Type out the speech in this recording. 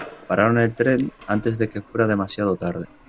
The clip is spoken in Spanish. Pararon el tren antes de que fuera demasiado tarde.